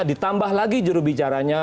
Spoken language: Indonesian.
ditambah lagi jurubicaranya